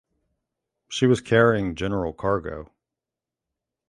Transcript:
She was carrying general cargo.